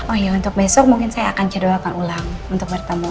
oh iya untuk besok mungkin saya akan cederakan ulang untuk bertemu